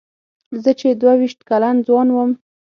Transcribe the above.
زه چې دوه وېشت کلن ځوان وم.